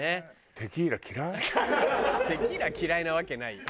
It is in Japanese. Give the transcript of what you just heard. テキーラ嫌いなわけないよ。